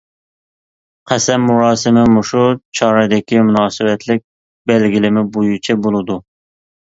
قەسەم مۇراسىمى مۇشۇ چارىدىكى مۇناسىۋەتلىك بەلگىلىمە بويىچە بولىدۇ.